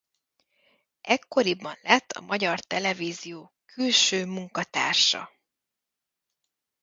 Ekkoriban lett a Magyar Televízió külső munkatársa.